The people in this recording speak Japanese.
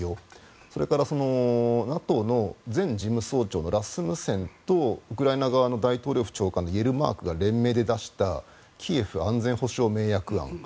それからＮＡＴＯの前事務総長のラスムセンとウクライナ側の大統領府長官のイェルマークが連名で出したキエフ安全保障盟約案